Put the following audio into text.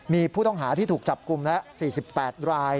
มีผู้ต้องหาที่ถูกจับกลุ่มแล้ว๔๘ราย